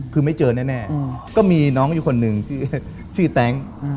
คือไม่เจอแน่ก็มีน้องอยู่คนหนึ่งชื่อแต๊ง